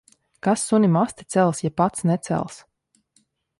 Kas sunim asti cels, ja pats necels.